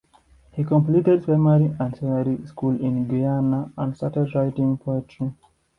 He completed primary and secondary school in Guyana, and started writing poetry.